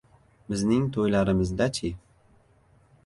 Bizning to‘ylarimizda-chi?